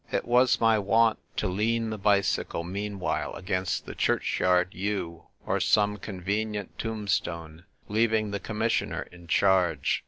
It was my wont to lean the bicycle mean while against the churchyard yew or some convenient tombstone, leaving the Com missioner in charge.